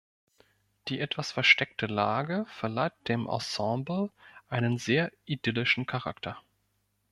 Die etwas versteckte Lage verleiht dem Ensemble einen sehr idyllischen Charakter.